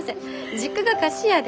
実家が菓子屋で。